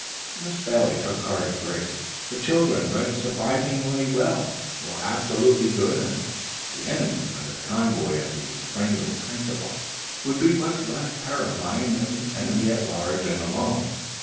Miss Bailey took heart of grace. The children read surprisingly well, were absolutely good, and the enemy under convoy of the friendly Principal would be much less terrifying than the enemy at large and alone.